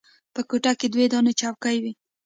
په کوټه کښې دوې دانې چوکۍ وې.